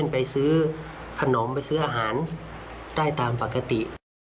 ไปซื้อขนมไปซื้ออาหารได้ตามปกติ